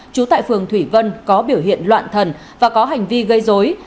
trú tại phường thủy vân có biểu hiện loạn thần và có hành vi gây dối